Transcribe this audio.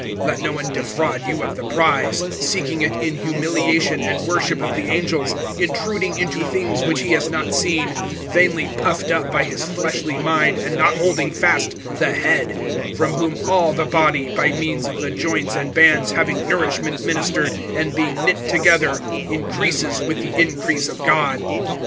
(18)Let no one defraud you of the prize, seeking it[2:18] in humiliation and worship of the angels, intruding into things which he has not seen, vainly puffed up by his fleshly mind, (19)and not holding fast the head, from whom all the body, by means of the joints and bands having nourishment ministered, and being knit together, increases with the increase of God.